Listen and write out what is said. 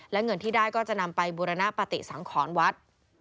และเงินที่ได้ก็จะนำไปบุรณปฏิสังขรวัด